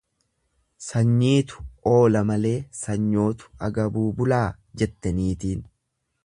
"""Sanyiitu oola malee, sanyootu agabuu oolaa?"" jette niitiin."